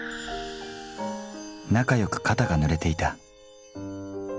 仲良く肩が濡れていた。